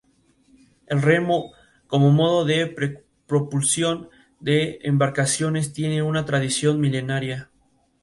El remo como modo de propulsión de embarcaciones tiene una tradición milenaria.